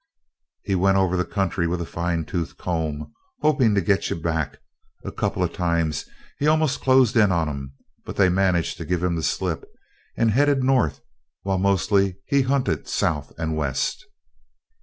"He went over the country with a fine tooth comb, hopin' to git you back. A couple of times he almost closed in on 'em, but they managed to give him the slip and headed north while mostly he hunted south and west.